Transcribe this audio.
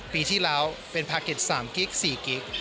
ปีที่แล้วเป็นแพ็คเกจ๓กิก๔กิก